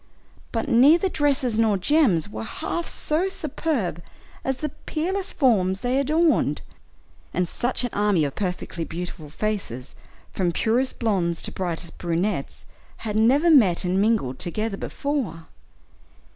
But neither dresses nor gems were half so superb as the peerless forms they adorned; and such an army of perfectly beautiful faces, from purest blonde to brightest brunette, had never met and mingled together before.